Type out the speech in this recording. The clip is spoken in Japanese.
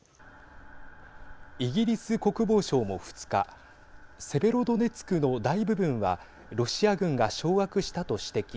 イギリス国防省も２日セベロドネツクの大部分はロシア軍が掌握したと指摘。